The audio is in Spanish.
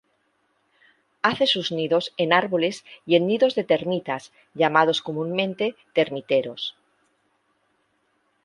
Hace sus nidos en árboles y en nidos de termitas llamados comúnmente termiteros.